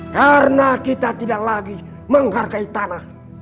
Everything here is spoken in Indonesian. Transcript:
karena kita tidak lagi menghargai tanah